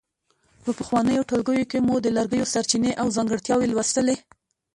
په پخوانیو ټولګیو کې مو د لرګیو سرچینې او ځانګړتیاوې لوستلې.